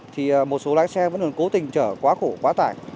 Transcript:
thì một số lái xe vẫn còn cố tình chở quá khổ quá tải